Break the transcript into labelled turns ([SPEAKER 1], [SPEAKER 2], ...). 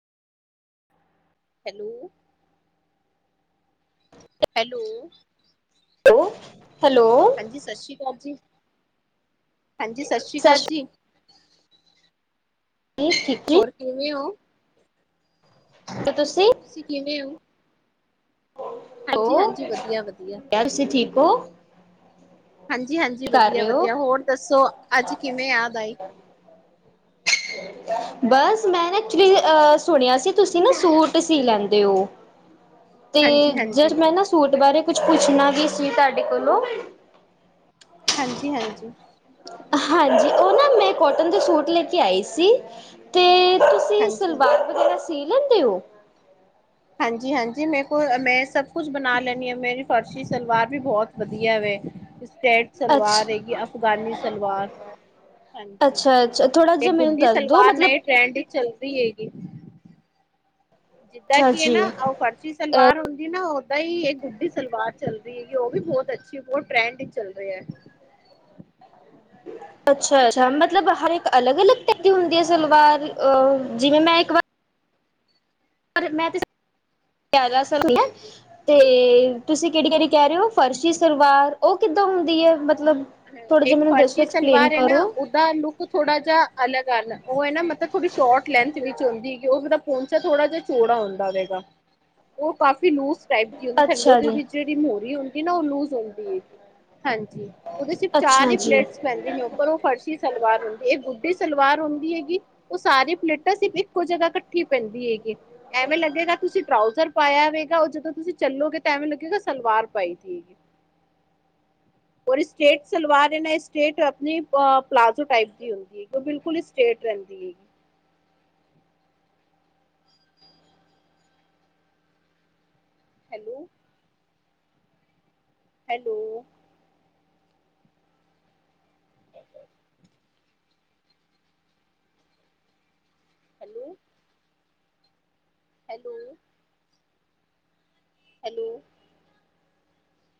[SPEAKER 1] Hello. Hello.
[SPEAKER 2] Hello, hello.
[SPEAKER 1] ਹਾਂਜੀ ਸਤਿ ਸ਼੍ਰੀ ਅਕਾਲ ਜੀ, ਹਾਂਜੀ ਸਤਿ ਸ਼੍ਰੀ ਅਕਾਲ‌ ਜੀ।
[SPEAKER 2] [inaudible]
[SPEAKER 1] ਹੋਰ ਕਿਵੇਂ ਓ?
[SPEAKER 2] ਤੇ ਤੁਸੀਂ
[SPEAKER 1] ਤੁਸੀਂ ਕਿਵੇਂ ਓ?
[SPEAKER 2] ਹੈਲੋ
[SPEAKER 1] ਵਧੀਆ-ਵਧੀਆ।
[SPEAKER 2] [unintelligible] ਤੁਸੀਂ ਠੀਕ ਓ?
[SPEAKER 1] ਹਾਂਜੀ-ਹਾਂਜੀ,
[SPEAKER 2] ਰਹੇ ਹੋ
[SPEAKER 1] ਵਧੀਆ-ਵਧੀਆ, ਹੋਰ ਦੱਸੋ ਅੱਜ ਕਿਵੇਂ ਯਾਦ ਆਈ? [inaudible]
[SPEAKER 2] ਬਸ ਮੈਂ ਨਾ ਐਕਚੁਲੀ ਅਹ ਸੁਣਿਆ ਸੀ ਤੁਸੀਂ ਨਾ ਸੂਟ ਸੀ ਲੈਂਦੇ ਓ। ਤੇ
[SPEAKER 1] ਹਾਂਜੀ-ਹਾਂਜੀ,
[SPEAKER 2] ਯਰ ਮੈਂ ਨਾ ਸੂਟ ਬਾਰੇ ਕੁਛ ਪੁੱਛਣਾ ਵੀ ਸੀ ਤਾਡੇ ਕੋਲੋਂ।
[SPEAKER 1] ਹਾਂਜੀ-ਹਾਂਜੀ।
[SPEAKER 2] ਹਾਂਜੀ ਓ ਨਾ ਮੈਂ ਕੋਟਨ ਦੇ ਸੂਟ ਲੈ ਕੇ ਆਈ ਸੀ ਤੇ ਤੁਸੀਂ ਸਲਵਾਰ
[SPEAKER 1] ਹਾਂਜੀ-ਹਾਂਜੀ।
[SPEAKER 2] ਵਗੈਰਾ ਸੀ ਲੈਂਦੇ ਓ।
[SPEAKER 1] ਹਾਂਜੀ-ਹਾਂਜੀ, ਮੇਰੇ ਕੋਲ ਮੈਂ ਸਭ ਕੁਛ ਬਣਾ ਲੈਨੀ ਆ ਮੇਰੀ ਫਰਸ਼ੀ ਸਲਵਾਰ ਵੀ ਬਹੁਤ ਵਧੀਆ ਵੇ ਸਟੇਟ ਸਲਵਾਰ
[SPEAKER 2] ਅੱਛਾ
[SPEAKER 1] ਹੈਗੀ, ਅਫਗਾਨੀ ਸਲਵਾਰ ਹਾਂਜੀ
[SPEAKER 2] ਅੱਛਾ ਅੱਛਾ ਥੋੜ੍ਹਾ
[SPEAKER 1] ਤੇ
[SPEAKER 2] ਜਿਹਾ ਮੈਨੂੰ
[SPEAKER 1] ਗੁੱਡੀ
[SPEAKER 2] ਦੱਸ ਦਿਉ
[SPEAKER 1] ਸਲਵਾਰ
[SPEAKER 2] ਮਤਲਬ
[SPEAKER 1] ਨ‌ਏ ਟਰੈਂਡ ਵਿਚ ਚੱਲਦੀ ਹੈਗੀ। ਜਿੱਦਾਂ
[SPEAKER 2] ਅੱਛਾ
[SPEAKER 1] ਕੀ ਏ ਨਾ
[SPEAKER 2] ਜੀ
[SPEAKER 1] ਆਓ ਕ [unintelligible] ਸਲਵਾਰ ਹੁੰਦੀ ਨਾ ਓਦਾਂ ਹੀ ਏਹ ਗੁੱਡੀ ਸਲਵਾਰ ਚੱਲ ਰਹੀ ਹੈਗੀ ਓ ਵੀ ਬਹੁਤ ਅੱਛੀ ਬਹੁਤ ਟਰੈਂਡ ਚੱਲ ਰਿਹਾ।
[SPEAKER 2] ਅੱਛਾ-ਅੱਛਾ ਮਤਲਬ ਹਰ ਇੱਕ ਅਲੱਗ-ਅਲੱਗ ਟੈਪ ਦੀ ਹੁੰਦੀ ਆ ਸਲਵਾਰ ਅਹ ਜਿਵੇਂ ਮੈਂ ਇੱਕ ਵਾਰ ਮੈਂ ਤੇ ਸਰ [unintelligible] ਤੇ ਤੁਸੀਂ ਕਿਹੜੀ-ਕਿਹੜੀ ਕਹਿ ਰਹੇ ਓ
[SPEAKER 1] ਹੂੰ
[SPEAKER 2] ਫਰਸ਼ੀ
[SPEAKER 1] ਹੂੰ।
[SPEAKER 2] ਸਰਲਵਾਰ ਓ ਕਿੱਦਾਂ ਹੁੰਦੀ ਐ ਮਤਲਬ। ਥੋੜੀ ਜੀ ਮੈਨੂੰ ਦੱਸੋ ਐਕਸਪਲੇਨ ਕਰੋ।
[SPEAKER 1] ਦਾ ਲੁੱਕ ਥੋੜਾ ਜਾ ਅਲੱਗ ਅਲ ਓ ਐ ਨਾ ਮਤਲਬ ਥੋੜੀ ਸ਼ੋਰਟ ਲੈਂਥ ਵਿੱਚ ਹੁੰਦੀ ਗੀ ਓ ਪਹੋਚਾ ਥੋੜਾ ਜਾ ਚੋੜਾ ਹੁੰਦਾ ਵੇ ਗਾ ਓ ਕਾਫੀ ਲੂਜ ਟੈਪ ਦੀ ਹੁੰਦੀ ਥੱਲੋ
[SPEAKER 2] ਅੱਛਾ
[SPEAKER 1] ਦੀ
[SPEAKER 2] ਜੀ
[SPEAKER 1] ਓਹਦੀ ਜਿਹੜੀ ਮੂਹਰੀ ਹੁੰਦੀ ਨਾ ਓ ਲੂਜ ਹੁੰਦੀ ਏ, ਹਾਂਜੀ। ਓਦੇ ਚ ਸਿਰਫ਼ ਚਾਰ
[SPEAKER 2] ਅੱਛਾ
[SPEAKER 1] ਹੀ
[SPEAKER 2] ਜੀ
[SPEAKER 1] ਪਲੇਟਸ ਪੈਂਦੇ ਨੇ ਓਪਰ ਓਫਰਸ਼ੀ ਸਲਵਾਰ ਹੁੰਦੀ ਏ, ਏਹ ਗੁੱਡੀ ਸਲਵਾਰ ਹੁੰਦੀ ਹੈਗੀ। ਓ ਸਾਰੀਆਂ ਪਲੇਟਾਂ ਸਿਰਫ ਇੱਕੋ ਜਗਾ ਕੱਠੀ ਪੈਂਦੀ ਹੈਗੀ। ਐਵੇਂ ਲੱਗੇਗਾ ਤੁਸੀਂ ਟਰਾਊਜ਼ਰ ਪਾਇਆ ਵੇ ਗਾ। ਓ ਜਦੋਂ ਤੁਸੀਂ ਚੱਲੋਗੇ ਤਾਂ ਐਵੇਂ ਲੱਗੇਗਾ ਸਲਵਾਰ ਪਾਈ ਦੀ। ਔਰ ਏ ਸਟੇਟ ਸਲਵਾਰ ਏ ਨਾ ਸਟੇਟ ਆਪਣੀ ਪਲਾਜ਼ੋ ਟਾਈਪ ਦੀ ਹੁੰਦੀ ਓ ਬਿਲਕੁਲ ਹੀ ਸਟੇਟ ਰਹਿੰਦੀ ਏ। Hello. Hello? Hello? Hello? Hello?